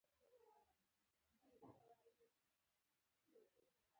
د بیور پوستکی د پیسو ارزښت درلود.